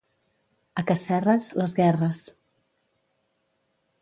A Casserres, les guerres.